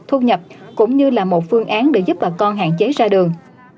thu nhập cũng như là một phương án để giúp bà con hạn chế ra đường